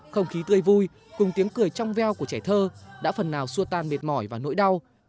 không khí tươi vui cùng tiếng cười trong veo của trẻ thơ đã phần nào xua tan mệt mỏi và nỗi đau